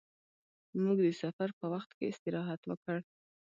موږ د سفر په وخت کې استراحت وکړ.